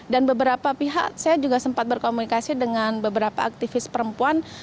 beberapa pihak saya juga sempat berkomunikasi dengan beberapa aktivis perempuan